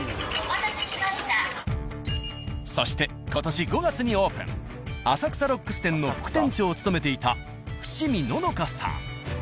そして今年５月にオープン浅草ＲＯＸ店の副店長を務めていた伏見野乃花さん。